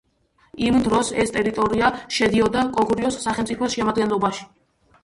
იმ დროს, ეს ტერიტორია შედიოდა კოგურიოს სახელმწიფოს შემადგენლობაში.